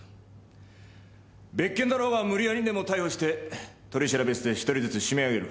別件だろうが無理矢理にでも逮捕して取調室で１人ずつ締め上げる。